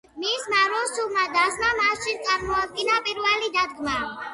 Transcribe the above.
მისმა რუსულმა დასმა მაშინ წარმოადგინა პირველი დადგმა.